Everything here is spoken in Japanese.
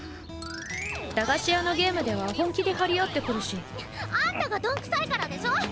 駄菓子屋のゲームでは本気で張り合ってくるしあんたが鈍くさいからでしょ！